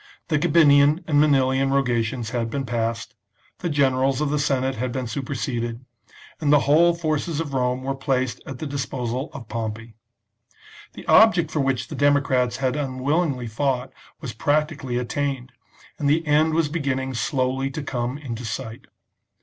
The Gabinian and Manilian rogations had been passed ; the generals of the Senate had been superseded ; and the whole forces of Rome were placed at the disposal of Pompey. The object for which the democrats had unwillingly fought was practically attained, and the end was beginning slowly to come into sight.